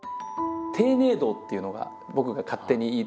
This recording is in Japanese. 「丁寧道」っていうのが僕が勝手に。